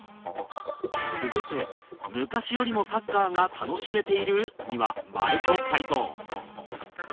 続いて「昔よりもサッカーが楽しめている？」には○と回答。